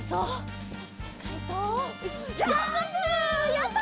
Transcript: やった！